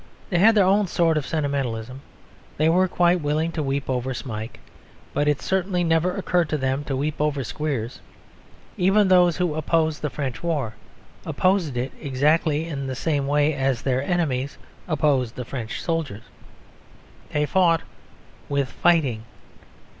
They had their own sort of sentimentalism. They were quite willing to weep over Smike. But it certainly never occurred to them to weep over Squeers. Even those who opposed the French war opposed it exactly in the same way as their enemies opposed the French soldiers. They fought with fighting.